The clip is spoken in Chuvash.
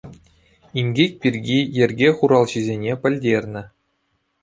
Инкек пирки йӗрке хуралҫисене пӗлтернӗ.